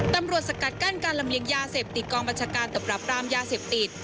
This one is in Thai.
ตำรวจสกัดกั้นน์การลำเลียงยาเสพติดตอบรับการลำลายาเสพติด